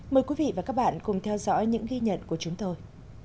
mời quý vị và các bạn cùng theo dõi những ghi nhận của chúng tôi